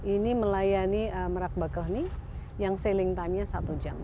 ini melayani merak bakahni yang sailing timenya satu jam